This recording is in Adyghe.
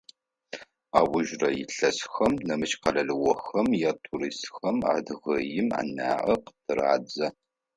Аужрэ илъэсхэм нэмыкӏ къэралыгъохэм ятуристхэм Адыгеим анаӏэ къытырадзэ.